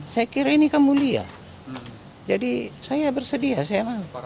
saya kira ini kamu lihat jadi saya bersedia saya mau